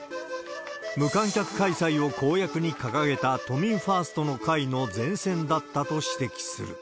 無観客開催を公約に掲げた都民ファーストの会の善戦だったと指摘する。